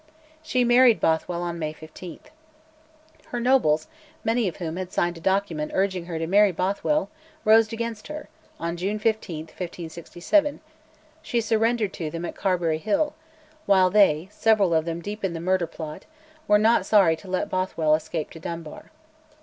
She married Bothwell on May 15. Her nobles, many of whom had signed a document urging her to marry Bothwell, rose against her; on June 15, 1567, she surrendered to them at Carberry Hill, while they, several of them deep in the murder plot, were not sorry to let Bothwell escape to Dunbar.